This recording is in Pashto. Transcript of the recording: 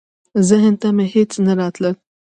ذهن ته مي هیڅ نه راتلل .